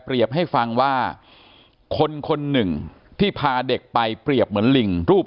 ให้ฟังว่าคนคนหนึ่งที่พาเด็กไปเปรียบเหมือนลิงรูป